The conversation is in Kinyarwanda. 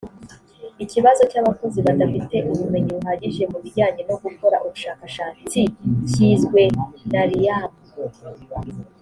ikibazo cy’ abakozi badafite ubumenyi buhagije mu bijyanye no gukora ubushashatsi kizwe nariam